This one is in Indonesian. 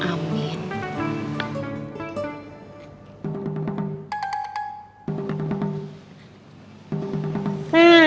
sampai jumpa lagi